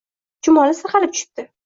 Chumoli sirg’alib tushibdi-